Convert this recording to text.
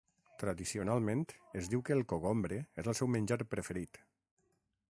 Tradicionalment es diu que el cogombre és el seu menjar preferit.